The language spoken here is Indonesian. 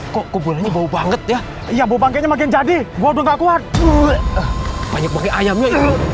kok kok bau banget ya iya bobangnya makin jadi gua udah nggak kuat banyak pakai ayamnya